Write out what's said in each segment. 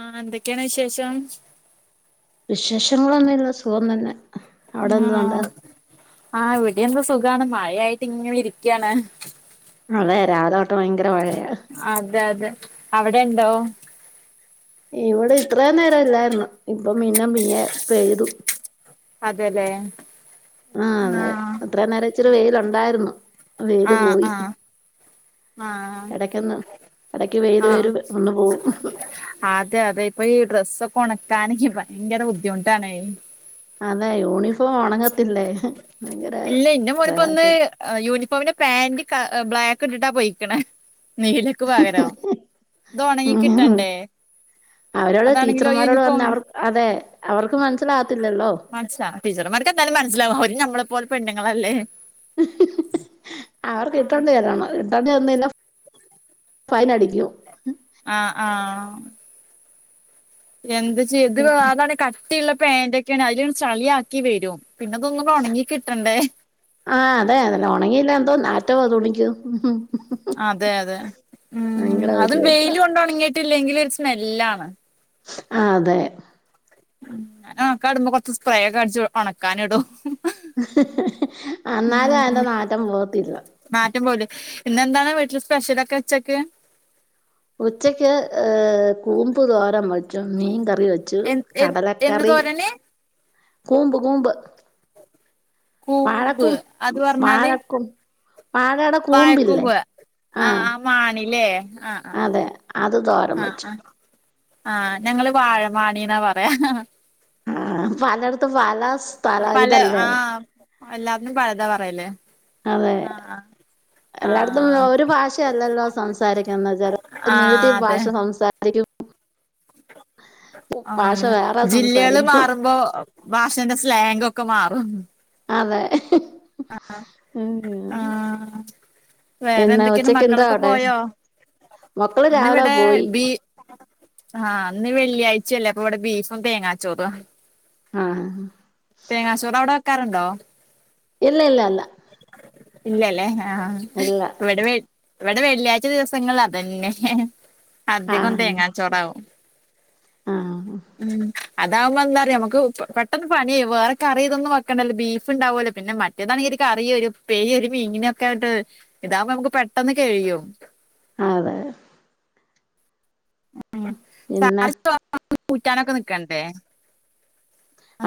ആ എന്തൊക്കെയാണ് വിശേഷം? വിശേഷങ്ങളൊന്നുല്ല സുഖം തന്നെ അവിടെ എന്തുണ്ട് ആ ഇവിടെ എന്താ സുഖാണ് മഴയായിട്ട് ഇങ്ങനെ ഇരിക്കയാണ്. അതെ രാവിലെ തൊട്ട് ഭയങ്കര മഴയാണ് അതെ അതെ അവിടെ ഉണ്ടോ ഇവിടെ ഇത്രയും നേരം ഇല്ലായിരുന്നു ഇപ്പൊ മന്ന മീങ്ങ പെയ്തു അതെല്ലേ ആ അതെ ആഹ ഇത്രയും നേരം ഇച്ചിരി വെയിലുണ്ടായിരുന്നു വെയില് ആഹ് പോയി ആഹ് ആഹ് ഇടക്കൊന്ന് ഇടക്ക് വെയിൽ ആഹ് വരും വന്ന് പോവും അതെ അതെ ഇപ്പൊ ഈ ഡ്രസ്സൊക്കെ ഉണക്കാൻക്ക് ഭയങ്കര ബുദ്ധിമുട്ടാണ് അതെ യൂണിഫോം ഉണങ്ങത്തില്ലേയ് ഹ് ഭയങ്കര പ്രയാസം. യൂണിഫോമിൻ്റെ പാന്റ് ബ്ലാക്ക് ട്ട്ട്ടാ പോയിക്ക്ണ്. നീലക്ക് പകരൊ ത് ഒണങ്ങി ഉം കിട്ടണ്ടേ? അവരോട് അതാണെങ്കിലോ ടീച്ചർമാരോട് പറഞ യൂണിഫോം അവർ അതെ അവർക്ക് മനസ്സിലാകത്തില്ലല്ലോ? മനസിലാ ടീച്ചർമാർക്ക്ന്തായാലും മനസ്സിലാവും അവര് ഞമ്മളെപ്പോലെ പെണ്ണ്ങ്ങളല്ലേ? ഹ് ഹ് അവർക്ക് ഇിട്ടോണ്ട് ചെല്ലണം ഇിട്ടേണ്ടി ചെന്നില്ലെ. ഫൈനടിക്കോ? അ ആഹ്. എന്ത്ചെയ്യ? [unintelligible] അതാണ് കട്ടിള്ള പേൻ്റൊക്കേണ്. അയില്ങ്ട് ചളിയാക്കി വരും. പിന്നതൊന്നു ഉണങ്ങി കിട്ടണ്ടേ ആ അതെ അതന്നെ ഒണങ്ങിയില്ലന്തോ നാറ്റോവ തുണിക്ക്. അതെ അതെ ഉം ഭയങ്കര അതും ബുദ്ധിമുട്ടാ വെയില് കൊണ്ട് ഉണങ്ങിയിട്ടില്ലെങ്കിൽ ഒരു സ്മെല്ലാണ് ആ അതെ. ഞാനൊണകാടുമ്പോ കൊറച്ച് സ്പ്രേക്കെ അടിച്ചു ഉണക്കാനിടും. ഹ് ഹ് ഹ് അന്നാലും അതിന്റെ നാറ്റം പോകത്തില്ല. നാറ്റം പോലേ [unintelligible] ഇന്നെന്താണ് വീട്ടില് സ്പെഷ്യലൊക്കെ ഉച്ചക്ക്. ഉച്ചക്ക് ് കൂമ്പ്തോര മ ച മീൻ കറി വെച്ചു എ എ എന്ത് കടലക്കറി തോരന് കൂമ്പ് കൂമ്പ്. കൂമ്പ് വാഴക്കൂമ്പ് അത് പറഞ്ഞാല് വാഴക്കൂമ്പ് വാഴെട കൂമ്പില്ലേ വാഴക്കൂമ്പ് ആ ആഹ് ആഹ് മാണില്ലേ ആ. അതെ അത് തോരം വെച്ചു ആ ഞങ്ങള് വാഴമാണീന്നാ പറയാ അ്ഹ് ആഹ് പാലർത്ത് വാല സ് [unintelligible] പാല ഇതല്ലേ. എല്ലാത്തിലും പഴയതാ പറയല് അതെ എല്ലായിടത്തും ആഹ് ഒരു ഭാഷയല്ലല്ലോ സംസാരിക്കുന്ന ച ആഹ് നീട്ടി അതെ ഭാഷ സംസാ അ [unintelligible] ആ ജില്ലകള് മാറുമ്പോ ഭാഷന്റെ സ്ലാങൊക്കെ മാറും. അതെ. അ്ഹ് അ അ ആഹ് പിന്നെ വേറെന്തൊക്കെണ്. ഉച്ചക്ക് എന്താ മക്കളൊക്കെ അവിടെ പോയോ? മക്കള് ഇന്നി രാവിലെ വിടെ പോയി ആ ഇന്ന് വെള്ളിയാഴ്ചയല്ലേ? അപ്പൊവടെ ബീഫും തേങ്ങാച്ചോറ. ആ. തേങ്ങാചോറ് അവിടെ വെക്കാറുണ്ടോ ഇല്ല ല്ല ല്ല. ഇല്ലല്ല ആഹ് ഇല്ല ഇവെടെവേ വടെ വെള്ളിയാഴ്ച ദിവസങ്ങളിൽ അതന്നെ അധികം ആഹ് തേങ്ങാച്ചോറാവും. ആഹ് ം അതാവുമ്പോ എന്താന്നറിയോ നമുക്ക് പെട്ടെന്ന് പ അേ വേറെ കറിയ ഇൊന്നും വെക്കണ്ടല്ല ബീഫുണ്ടാവോലോ പിന്നെ മറ്റേതാണങ്കി ഒരു കറി ഒരു ഉപ്പേരി ഒരു മീനാക്കെങ്ട്ട്. ഇതാവുമ്പോ നമുക്ക് പെട്ടെന്ന് കഴിയും. അതെ ഉം പിന്നെ സാരി [unintelligible] കുക്കാനൊക്കെ നിക്കണ്ടേ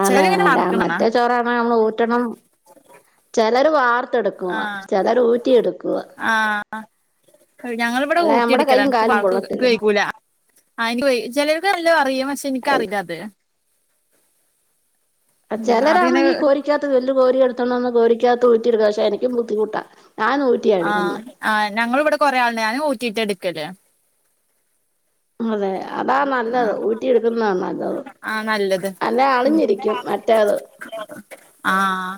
അതെ ചിലര് ഇങ്ങനെ അതെ വറക്കണ കാണാ മറ്റേ ചോറാണെൽ നമ്മള് ഊറ്റണം ചെലർ വാർത്ത്ടും. [unintelligible] ചിലര് ഊറ്റി ആ ഞങ്ങളബടെ അല്ലെ ഊറ്റി നമ്മടെ ട്ക്കല. കൈയും കാലും വാർക്ക നിക്ക് പൊള്ളത്തില്ല വെയിക്കൂല. [unintelligible] ആനി ചിലർക്ക് [unintelligible] നല്ലാം അറിയാം പക്ഷെ എനിക്കറില്ല അത് ഉം ചിലരാണെങ്കിൽ അതിങ്ങനെ കോരി വല്യ കോരി എടുതോണ്ട് വന്ന്‌ കൊരിക്കാത്തൂറ്റി പക്ഷെ എനിക്ക് ബുദ്ധിമുട്ടാ ഞാന് ആഹ് ആഹ് ഞങ്ങൾ ഇവിടെ കൊറെേ ആളുണ്ട് ഞാനും ഊറ്റീട്ട എടുക്കല് അതെ അതാ നല്ലത് ആഹ് ഊറ്റിയെടുക്കുന്നതാണ്. നല്ലത് ആഹ് നല്ലത് അല്ലാ അളിഞ്ഞിരിക്കും മറ്റാള് ആഹ്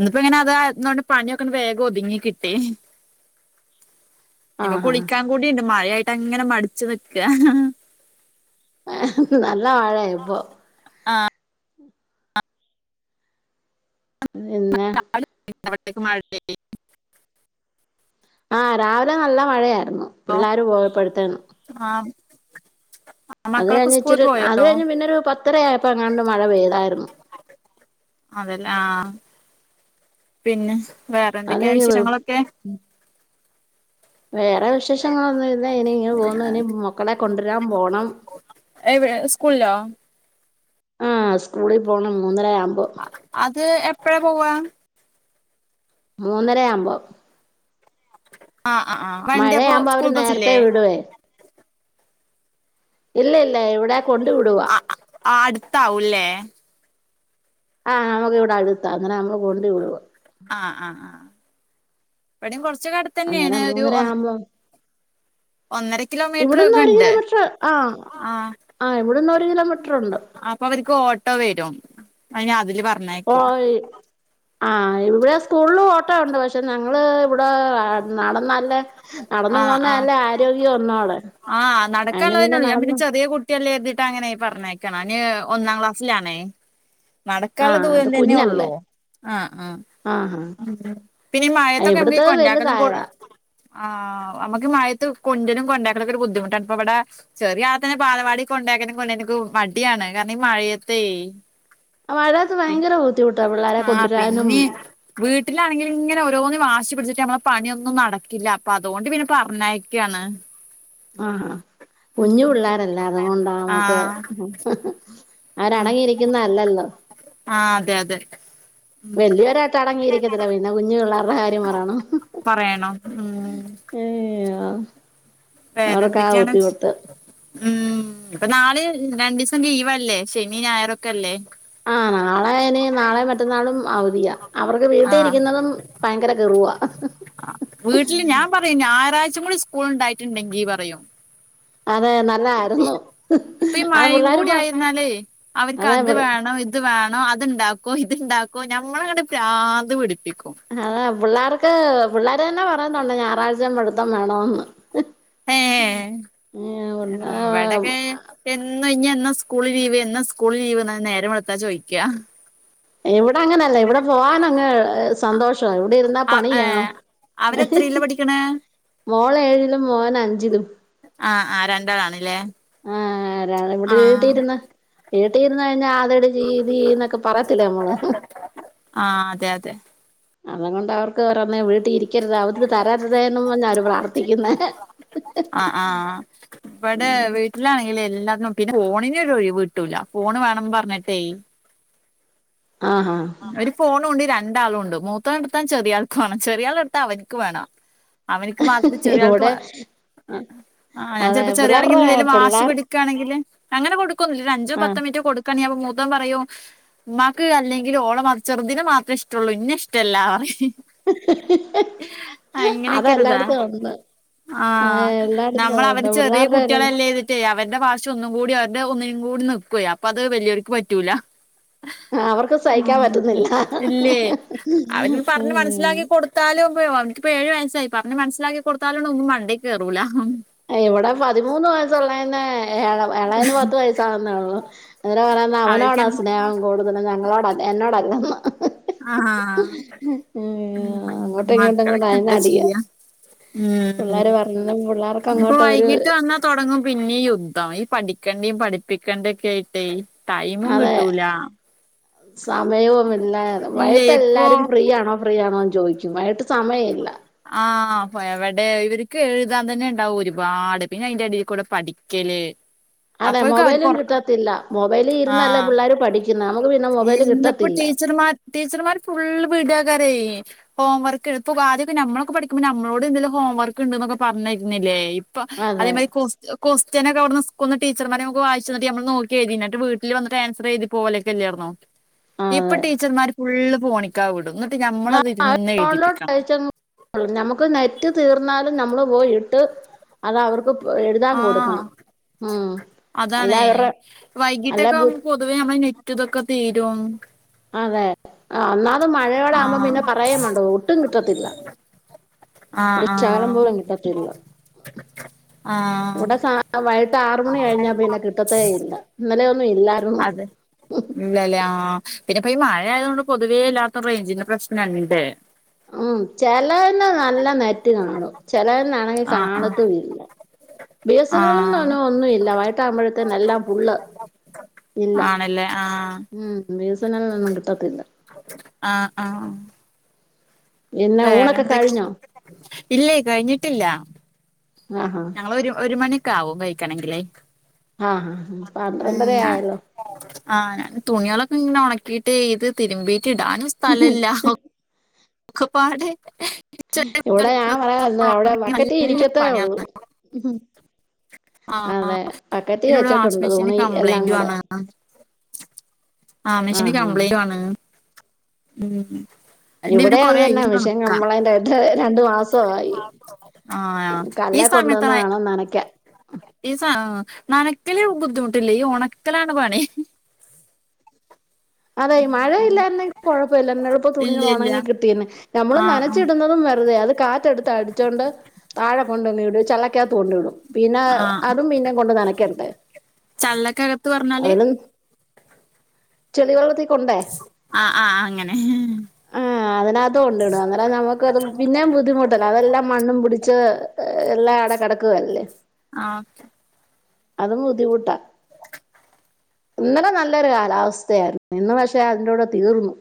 ന്നിപ്പങ്ങനതായ തോണ്ട് പണിയൊക്കങ്ങട് വേ കൊത്ങ്ങികിട്ടേ ഇഞ്ഞിപ്പ ആഹാ കുളിക്കാകൂടി ണ്ട് മഴാ യിട്ടങ്ങന മടിച്ച് നിക്കാ നല്ല മഴയാ ഇപ്പൊ ആഹ് പിന്നെ അടുേക്ക് മാ [unintelligible] ആഹ് രാവിലെ നല്ല മഴയാ പിള്ളാര് പോയപ്പേഴ്ത്തിനും ആഹ് അത് മക്കളൊക്കെ സ്കൂളിൽ കഴിഞ്ഞ്ച്ചിരു അത് പോയോ കഴിഞ്ഞ് പിന്നൊരു പത്തരയപ്പോങ്ങാണ്ട് മഴ പെയ്താരുന്നു അതെല്ലേ ആഹ് പിന്നെ അത് വേറെന്തൊക്കെയാ കഴിഞ്ഞ് വിശേയങ്ങളൊക്കെ? വേറെ വിശേഷങ്ങളൊന്നും ഇല്ല ഇനി ഇങ്ങനെ പോന്നു ഇനി മക്കളെ കൊണ്ടരാൻ പോണം എവി സ്കൂളിലോ ആഹ് സ്കൂളി പോണം മൂന്നര ആമ്പോ അത് എപ്പഴാ പോവാ മൂന്നര ആവുമ്പം ആഹ് അ ആഹ് വണ്ട്യപ്പോ മഴയാകുമ്പോ അവര് സ്കൂൾ ബസ്സില്ലേ നേരത്തെ വിടുവേ ഇല്ലയില്ല ഇവിടെ കൊണ്ട് വിടുവാ ആഹ്അ അടുത്താവൂല്ലേ ആഹ് അമക്ക് ഇവിടടുത്ത അങ്ങനെ നമ്മള് കൊണ്ട് വിടുവ ആഹ് ആ ആ ഇവടിം കൊറച്ച്ക്കെ അടുത്തന്നേണ് അന്നേരം ഒരു മൂന്നര ഒ ആവുമ്പോ ഒന്നര ഇവിടുന്ന് ഒരു കിലോമീറ്ററ്ക്കെണ്ട് കിലോമീറ്റർ ആഹ് ആഹ് ആഹ് ഇവിടുന്ന് ഒരു കിലോമീറ്റർ ഉണ്ട് പ്പൊവര്ക്ക് ഓട്ടോ വരും അയ്നാ അതില് പറഞ്ഞെ ഓയി ആഹ് ഇവിടെ സ്കൂൾലു ഓട്ടോയൊണ്ട് പക്ഷെ നങ്ങള് ഇവിടെ നടന്നല്ലെ നടന്ന് ആഹ് ആഹ് പോന്നെല്ലെ ആരോഗ്യോം [unintelligible] ആഹ് നടക്കാനുള്ളതന്നെള്ളൂ ഞാൻ പിന്നെ ചെറിയെ കൂട്ടി കുട്ടിയല്ലേര്തീട്ട് അങ്ങനെയ് പറഞ്ഞയക്കാണ് അയ്ന് ഒന്നാക്ലാസ്സിലാണെയ് നടക്കാള്ളേ ആഹ് ദൂരം അത് തന്നെയൊള്ളൂ ആഹ് ആഹ് ആ [unintelligible] പിന്നീ മഴത്തൊക്കെ നമുക്കീ കൊണ്ടാക്കലും കൊ വലുതായതാ ആ അമ്മക്ക് മയത്ത് കൊഞ്ചലും കൊണ്ടാക്കലുക്കെ ഒരു ബുദ്ധിമുട്ടാണ് പ്പൊവ്ടെ ചെറിയാത്തേന്നെ ബാലവാടി കൊണ്ടാക്കാ കൊണ്ടാനിക്ക് മടിയാണ് കാരണം ഈ മഴയത്തേ മഴയഴത്ത് ഭയങ്കര ബുദ്ധിമുട്ടാ പിള്ളാരെ ആഹ് കൊണ്ടൊരാനും പിന്നെ വീട്ടിലാണെങ്കിൽ ഇങ്ങനെ ഓരോന്നും വാശി പിടിച്ചിട്ട് നമ്മളെ പണിയൊന്നും നടക്കില്ല അപ്പൊ അതുകൊണ്ട് പിന്നെ പറഞ്ഞക്കയാണ് ആഹ കുഞ്ഞു പിള്ളോരല്ലേ അതുകൊണ്ടാ നമുക്ക് ആഹ് അവരടങ്ങിയിരിക്കുന്ന അല്ലല്ലോ ആ അതെ അതെ വലിയൊരായിട്ട് അടങ്ങിയിരിക്കത്തില്ല പിന്നെ കുഞ്ഞ് പിള്ളേരുടെ കാര്യം പറയണോ പറയണം ഉം ഏയൊ അവര്ക്കാ വേറെന്തൊക്കെയാണ് വുത്തി കൊടുത്ത ഉം ഇപ്പ നാളെ രണ്ടീസം ലീവല്ലേ ശനി ഞായറൊക്കല്ലേ ആഹ് നാളെനി നാളെ മറ്റന്നാളും അവധിയ അവർക്ക് ആഹ് വീട്ടിയിരിക്കുന്നതും ഭയങ്കര കെറുവാ ആ വീട്ടില് ഞാൻ പറയും ഞായറാഴ്ചം കൂടി സ്കൂള്ണ്ടായിട്ടുണ്ടെങ്കീ പറയൂ അതെ നല്ലായിരുന്നു ഇപ്പ ഈ ആ മഴയും പിള്ളേര് കൂടി പ ആയേന്നാലേ അതെ അവര്ക്കത് പി വേണം ഇത് ഇത് വേണോ അത്ണ്ടാക്കോ ഇത്ണ്ടാക്കോ ഞമ്മളങ്ങട് പ്രാന്ത് പിടിപ്പിക്കും അതെ പിള്ളാർക്ക് പിള്ളാര് തന്നെ പറയുന്നൊണ്ട് ഞായറാഴ്ചേം പടുത്തം വേണോന്ന് ഏഹ് ഇവ്ടെകേ എന്നു ഇനി എന്നാ സ്കൂളി ലീവ് എന്നാ സ്കൂളി ലീവ്ന്ന നേരം വെളുത്താ ചോയ്ക്ക്യാ ഇവിടങ്ങനല്ല ഇവിടെ പോവാനങ്ങ് സ് സന്തോഷവ ഇവിടിരുന്നാ ആഹ് പണിയ്യണോ ഏഹ് അവരെത്രയിലാ പഠിക്കണേ മോളേഴിലും മോനഞ്ചിലും ആഹ് ആഹ് രണ്ടാളാണല്ലേ ആരാണ് ഇവിടെ വീട്ടിരുന്ന് വീട്ടി ഇരുന്ന് കഴിഞ്ഞാൽ ആതയുടെ രീതീന്നെക്കെ പറയത്തില്ലെ അമ്മള് ആഹ് അതെ അതെ അതും കൊണ്ട് അവർക്ക് വറന്നേ വീട്ടിരിക്കും ക്കരുത് അവര്ക്ക് തരര്തേന്നും പഞാ പ്രാർത്ഥിക്കുന്നെ [inaudible] ആഹ് ആഹ് ഇവ്ടെ വീട്ടിലാണെങ്കില് എല്ലാ [unintelligible] പിന്നെ ഫോണിനൊരൊഴിവ് കിട്ടൂല ഫോണ് വേണംന്ന് പറഞ്ഞിട്ടേ ആഹാ ഒര് ഫോണുണ്ട് രണ്ടാളുണ്ട് മൂത്തോൻ ഇട്ത്താ ചെറിയാൾക്ക് വേണം ചെറിയാൾ ഇടത്താൽ അവൻക്ക് വേണം അവനിക്ക് മാത്രം ചെറിയാൾക്ക് മാ ഇവിടെ ആഹ് അതെ ഞാൻചെൽപ്പോ ചെറിയാൾ പിള്ളേരുടെ യെന്തിനേങ്കിലും വാശി പിള്ളേർക്ക് പിടിക്കാണെങ്കില് അങ്ങനെ കൊടുക്കൊന്നുല്ല ഒരഞ്ചോ ആ പത്തോ മിൻറ്റോ കൊടുക്കാണെങ്കി അപ്പൊ മൂത്തോൻപറയും ഉമ്മാക്ക് അല്ലെങ്കി ങ്കില് ഓളെമാ ചെറുതിനെമാത്രേ ഇഷ്ട്ടൊള്ളു ഇന്നേഷ്ട്ടല്ലാറി ഹ് ഹ് ഹ് ഹ് അങ്ങനെയൊക്കെരിതാ അതെല്ലായിടത്തും ഒന്ന് ആഹ് ഹാ നമ്മളവര് ചെറിയ പിള്ളേരുടെ ഒരു കുട്ടിയളല്ലേ വി റ്റെ അവരുടെ ഭാഷഒന്നുകൂടി അവരുടെ ഒന്നിനുംകൂടി നിൽക്കുവെയ് അപ്പൊ അത് വെല്ലിയോർക്ക് പറ്റൂല ആ അവർ ഉം ഇല്ലേ അവനോണ് പറഞ്ഞ് ഉം മനസ്സിലാക്കി കൊട് ത്താലുംപ്പോ ഓന്ക്കിപ്പോ ഏഴ് വയസായി പറഞ്ഞ് മനസ്സിലാക്കി കൊടുത്താലും ഒന്നും മണ്ടീകേറൂല ഏ ഇവടെ പതിമൂന്ന് വയസ്സുളേനെ ഏ ഏളേന് പത്ത് വയസാകുന്നേള്ളു. അങ്ങനെ പറയണ അവര്ക്ക് അവനോടാ സ്നേഹം കൂടുതലും ഞങ്ങളോടല്ല എന്നോടല്ല ആഹ് ഹ ഹ അങ്ങോട്ടും ഇങ്ങോട്ടും കൂടെ മക്കളൊക്കെ എന്താ ചെയ്യ ഉം ആര്പറഞ്ഞുത് പുള്ളാര് ഞ്ഞിപ്പൊ വൈകിട്ട് വന്നാ തുടങ്ങും പിന്നിം യുദ്ധം ഈ പഠിക്കേണ്ടീ പഠിപ്പിക്കേണ്ടി ഒക്കെ ആയി ഡേയ് ടൈമും കിട്ടൂല. സമയോം മില്ല ഇല്ലേ ഇപ്പൊ വൈട്ടെല്ലാരും ഫ്രീയാണോ? ഫ്രീയാണോന്ന് ചോയ്ച്ചും വൈയ്ട്ട് സമയല്ല ആഹ് അപ്പോ എവടെ ഇവർക്ക് എഴുതാൻ തെന്നെ ഇണ്ടാവും ഒരുപാട് പിന്നെ അയിന്റെ എടീൽകൂടെ പഠിക്കല് [inaudible] അതെ അപ്പോഴേക്കും അവർക്ക് മൊബൈലും ഒറ കിട്ടത്തില്ല മൊബൈല് ഇരുന്നല്ലേ ആഹ് പിള്ളാർ പഠിക്കുന്നേ നമുക്ക് പിന്നെ മൊബൈല് കിട്ടത്തില്ല ടീച്ചർമ്മാർ ഫുൾ വിടാകാരേ ഹോംവർക്ക് എഴുത് ഇപ്പോ അദ്യം നമ്മളൊക്കെ പഠിക്കുമ്പോ നമ്മളോട് എന്തെലും ഹോംവർക്ക് ഇണ്ട്ന്നൊക്കെ പറഞ്ഞെര്ന്നില്ലേ ഇപ്പൊ അതെ അതേമാതിരി കൊസ് കോസ്റ്റിൻ ഒക്കെവുട്ന്ന് സ്കൂൾന്ന് ടീച്ചർമാര് അമ്മക്ക് വായിച്ചെന്ന്ട്ട് നമ്മൾ നോക്കിയ്തിന്നട്ട് വീട്ടിൽ വന്ന്ട്ട് ആൻസർ എയ്തി പോലൊക്കെല്ലായിന്നോ [inaudible] ഇപ്പോ ടീച്ചർമാര് ഫുള്ള് ഫോണിക്കാ വിടും ന്നട്ട് ഞമ്മളത് ഇര്ന്ന് എഴുതിപ്പിക്കണം ഞമ്മക്ക് നെറ്റ് തീർന്നാലും നമ്മള് പോയി ഇട്ട് അതവർക്ക് ആഹ് അല്ല അതാണേ അവരുടെ അല്ല വൈകിട്ടൊക്കാവുമ്പോ പൊ പൊതുവേ നമ്മളെ നെറ്റുതൊക്കെ തീരും അതെ അഅന്നാലും മഴയോടെ ആകുമ്പോ ആഹ് പിന്നെ പറയുംവേണ്ട ഒട്ടും കിട്ടത്തില്ല. ആഹ് ഒരു ചാരം ആഹ് പോലുംകിട്ടത്തില്ല ആഹ് ഹാ അ വൈകിട്ട് ആർമണി കഴിഞ്ഞാ പിന്നെ കിട്ടത്തേഇല്ല ഇന്നലെയൊന്നും ഇല്ലായി അതെ ഇല്ലല്ലേ ആ പിന്നെപ്പൊ ഈ മഴ ആയതോണ്ട് പൊതുവേ എല്ലാട്ത്തും റേയ്ഞ്ചിന്റെ പ്രശ്ണണ്ട്. ഉം ചെലേന്ന് നല്ല നെറ്റ്കാണും ചെലേന്നാണെങ്കി ആ ആ കാണത്തുല്ല. ആ ബിസെന്നിൽ ഒന്നുല്ല വൈട്ടാവുമ്പോഴത്തിനും എല്ലാം ഫുള്ള് ഇല്ല ആണല്ലേ അ ഉം ബി യെസ് എന്നൽ നൊന്നും കിട്ടത്തില്ല ആഹ് ആഹ് പിന്നെ ഊണൊക്കെ വേറെന്തൊക്കി കഴിഞ്ഞോ ഇല്ലേ കഴിഞ്ഞിട്ടില്ല ആഹാ ഞങ്ങൾ ഒര് ഒരുമണിയൊക്കെ ആവും കഴിക്കണെങ്കില് ആഹ് ഹാ പന്ത്രണ്ടരആയൊള്ളു. ആഹ് ഞാൻ തുണികളൊക്കെ ഇങ്ങനെ ഒണക്കീട്ട് ഇത് തിരുമ്പീട്ട് ഇടാനും സ്ഥലല്ല ഒ കൊപ്പാടെ ഇവടെ ഞാൻ പറയാന്നു അവടെ ബക്കറ്റി നല്ല ഇരിക്കത്തേയൊള്ളൂ ഹ് ഹ് ആഹ് ആഹ് പിന്നെവിടെ വാഷിംങ് വെച്ചിട്ടുണ്ട് മിഷീന് തുണി എല്ലാം കംപ്ലൈന്റു കൂടെ ആണ് ആഹ് മെഷേന് ആഹാ കംപ്ലൈന്റ്റ്ഉം ആണ് മ്ഹ് ഇത് പിന്നെ കൊറെ അയൽ നോക്കാം ങ്ങട്ട് രണ്ടും ആഹ് ഈ കല്ലേ കൊണ്ടുവന്ന് സമയത്തന്നെ വേണം നനയ്ക്കാൻ ഈ സ നനക്കല് ബുദ്ധിമുട്ടില്ലേ ഈ ഉണക്കലാണ് പണി അതെ മഴ ഇല്ലായിരുന്നെങ്കി കൊഴപ്പല്ല എന്ന എളുപ്പം ഇല്ല തുണികള് ഇല്ല ഒണങ്ങി കിട്ടിയനേം നമ്മള് ആ ആ നനച്ചിടുന്നതും വെറുതെ അത് കാറ്റടുത്ത് അടിച്ചുകൊണ്ട് താഴെ കൊണ്ടിടും ചെക്കകത്ത് കൊണ്ടു വിടും പിന്നെ ആ അതും പിന്നെ കൊണ്ട് നനക്കട്ടെ ചള്ളക്കകത്ത് പറഞ്ഞാല് അതിലും ചെടി വളർത്തി ആഹ് ആഹ് അങ്ങനെ ആഹ് അതിനകത്ത് കൊണ്ട് ഇടും അന്നേരം നമുക്ക് അത് പിന്നേം ബുദ്ധിമുട്ടല്ലേ അതെല്ലാം മണ്ണും പിടിച്ച് എല്ലാം ആടെ കെടക്കുവല്ലേ ആഹ് ഓക്കെ അതും ബുദ്ധിമുട്ടാ ഇന്നലെ നല്ലൊരു കാലാവസ്ഥയായിരുന്നു ഇന്ന് പക്ഷെ അതിറൂടെ തീർന്നു